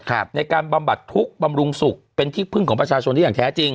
ในการบำบัดทุกข์บำรุงสุขเป็นที่พึ่งของประชาชนที่อย่างแท้จริง